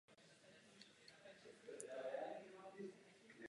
Opera ale byla odmítnuta jako nevhodná pro scénické uvedení.